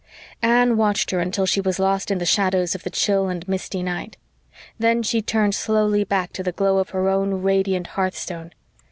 Anne watched her until she was lost in the shadows of the chill and misty night. Then she turned slowly back to the glow of her own radiant hearthstone.